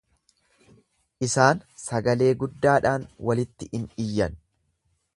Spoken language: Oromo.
Isaan sagalee guddaadhaan walitti in iyyan.